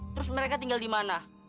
terus mereka tinggal dimana